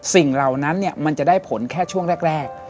เหล่านั้นมันจะได้ผลแค่ช่วงแรก